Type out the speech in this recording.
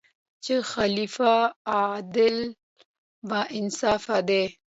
چې خلیفه عادل او با انصافه دی.